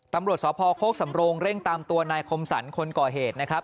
ตำรวจสพโคกสำโรงเร่งตามตัวนายคมสรรคนก่อเหตุนะครับ